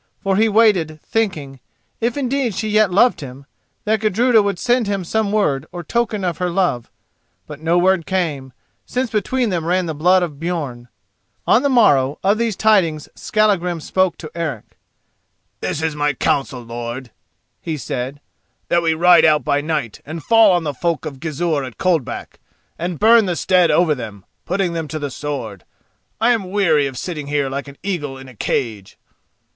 For he waited, thinking, if indeed she yet loved him, that Gudruda would send him some word or token of her love. But no word came, since between them ran the blood of Björn. On the morrow of these tidings Skallagrim spoke to Eric. "This is my counsel, lord," he said, "that we ride out by night and fall on the folk of Gizur at Coldback, and burn the stead over them, putting them to the sword. I am weary of sitting here like an eagle in a cage."